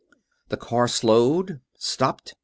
The car slowed; stopped.